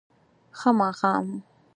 ښه ماښام